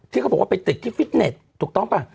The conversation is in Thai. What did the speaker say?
เขาบอกว่าไปติดที่ฟิตเน็ตถูกต้องป่ะ